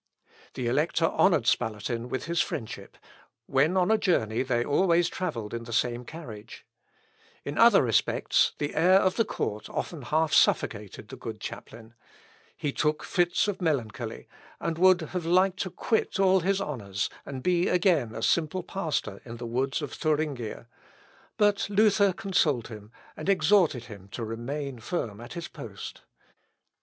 The elector honoured Spalatin with his friendship; when on a journey they always travelled in the same carriage. In other respects, the air of the court often half suffocated the good chaplain. He took fits of melancholy, and would have liked to quit all his honours, and be again a simple pastor in the woods of Thuringia; but Luther consoled him, and exhorted him to remain firm at his post.